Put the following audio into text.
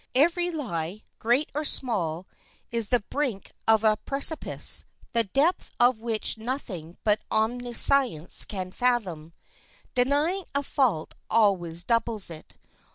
Every lie, great or small, is the brink of a precipice, the depth of which nothing but Omniscience can fathom. Denying a fault always doubles it.